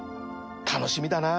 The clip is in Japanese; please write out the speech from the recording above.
楽しみだな